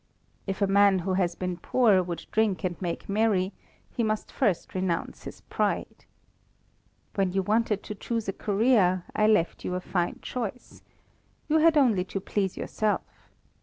If a man who has been born poor would drink and make merry, he must first renounce his pride. When you wanted to choose a career, I left you a fine choice. You had only to please yourself.